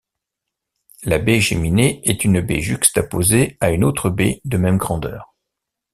La baie géminée est une baie juxtaposée à une autre baie de même grandeur.